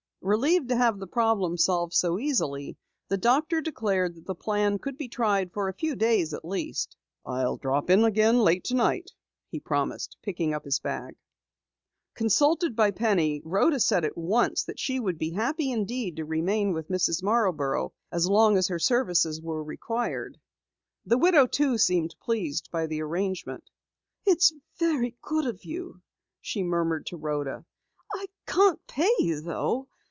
Relieved to have the problem solved so easily, the doctor declared that the plan could be tried for a few days at least. "I'll drop in again late tonight," he promised, picking up his bag. Consulted by Penny, Rhoda said at once that she would be happy indeed to remain with Mrs. Marborough as long as her services were required. The widow too seemed pleased by the arrangement. "It's very good of you," she murmured to Rhoda. "I can't pay you though.